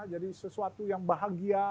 jadi sesuatu yang bahagia